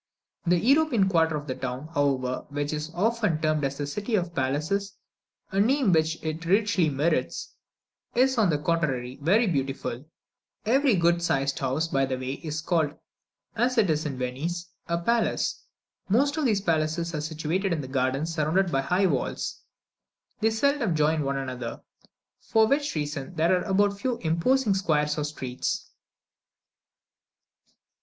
The European quarter of the town, however, which is often termed the City of Palaces a name which it richly merits is, on the contrary, very beautiful. Every good sized house, by the way, is called, as it is in Venice, a palace. Most of these palaces are situated in gardens surrounded by high walls; they seldom join one another, for which reason there are but few imposing squares or streets.